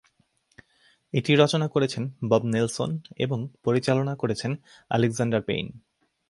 এটি রচনা করেছেন বব নেলসন এবং পরিচালনা করেছেন আলেকজান্ডার পেইন।